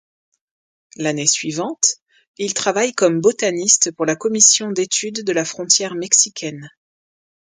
L’année suivante, il travaille comme botaniste pour la commission d’étude de la frontière mexicaine.